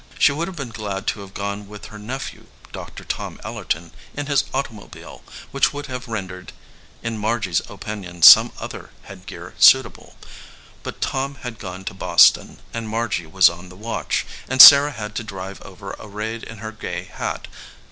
She would have been glad to have gone with her nephew, Doctor Tom Ellerton, in his automobile, which would have rendered in Margy s opinion some other headgear suitable ; but Tom had gone to Boston and Margy was on the watch, and Sarah had to drive over arrayed in her gay hat.